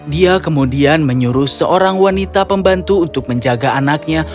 dia kemudian menyuruh seorang wanita pembantu untuk menjaga anaknya